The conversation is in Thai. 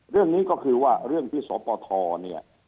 เรื่องนี้ก็คือว่าเรื่องที่สปทเนี่ย